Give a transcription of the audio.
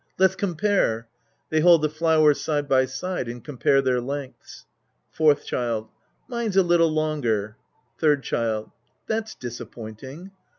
Let's compare. {They hold the flowers side by side and compare their lengths^ Fourth Child. Mine's a little longer. Third Child. That's disappointing.